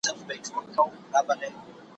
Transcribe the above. په حيرت حيرت پاچا ځان ته كتله